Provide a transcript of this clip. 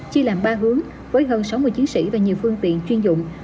chia làm ba hướng với hơn sáu mươi chiến sĩ và nhiều phương tiện chuyên dụng